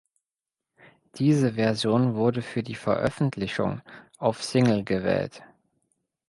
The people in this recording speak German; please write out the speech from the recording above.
Diese Version wurde für die Veröffentlichung auf Single gewählt.